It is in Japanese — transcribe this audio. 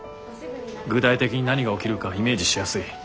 具体的に何が起きるかイメージしやすい。